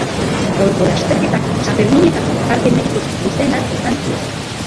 Gaurko lasterketak sanferminetako parte medikorik luzeena izan du.